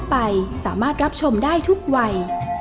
แม่บ้านประจันบรรย์